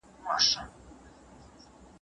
هغه مشهور لیکوال و.